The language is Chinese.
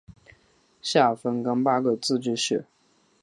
下分廿八个自治市。